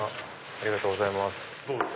ありがとうございます。